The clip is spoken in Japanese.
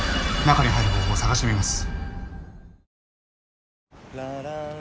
中に入る方法探してみます。